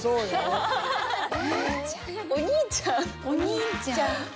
お兄ちゃん？